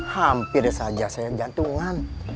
hampir saja saya bergantungan